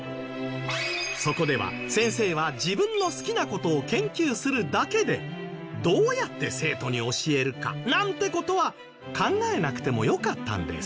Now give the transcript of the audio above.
そこでは先生は自分の好きな事を研究するだけでどうやって生徒に教えるか？なんて事は考えなくてもよかったんです